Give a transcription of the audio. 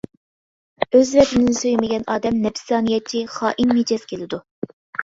ئۆز ۋەتىنىنى سۆيمىگەن ئادەم نەپسانىيەتچى، خائىن مىجەز كېلىدۇ.